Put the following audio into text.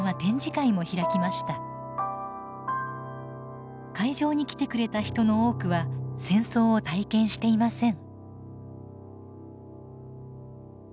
会場に来てくれた人の多くは戦争を体験していません。